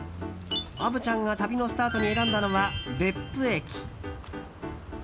虻ちゃんが旅のスタートに選んだのは別府駅。